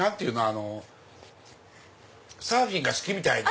あのサーフィンが好きみたいな。